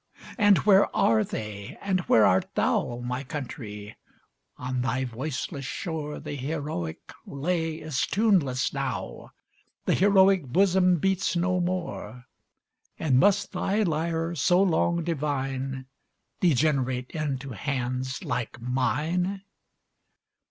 And where are they? and where art thou, My country? On thy voiceless shore The heroic lay is tuneless now The heroic bosom beats no more! And must thy lyre, so long divine, Degenerate into hands like mine?